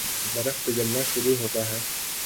برف پگھلنا شروع ہوتا ہے